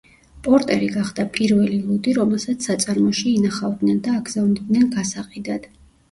პორტერი გახდა პირველი ლუდი, რომელსაც საწარმოში ინახავდნენ და აგზავნიდნენ გასაყიდად.